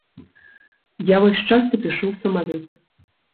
Я вось часта пішу ў самалёце.